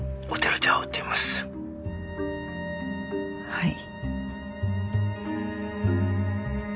はい。